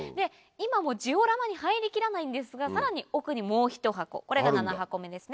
今もジオラマに入り切らないんですがさらに奥にもうひと箱これが７箱目ですね。